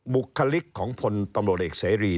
บุคลิกของทำลดเอกชัยรี